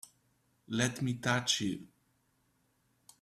Let me touch you!